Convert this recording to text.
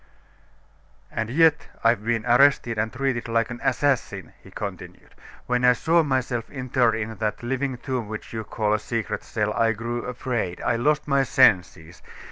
"And yet I've been arrested and treated like an assassin," he continued. "When I saw myself interred in that living tomb which you call a secret cell, I grew afraid; I lost my senses.